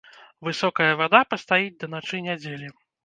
Высокая вада пастаіць да начы нядзелі.